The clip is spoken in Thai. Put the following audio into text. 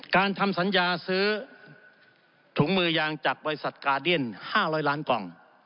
การทำสัญญาซื้อถุงมือยางจากบริษัทการ์เดียนห้าร้อยล้านกล่อง